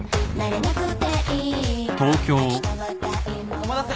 ・お待たせ。